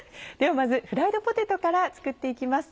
まずフライドポテトから作って行きます。